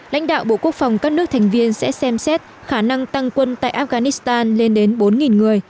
lãnh đạo bộ quốc phòng các nước thành viên sẽ xem xét khả năng tăng quân tại afghanistan lên đến bốn người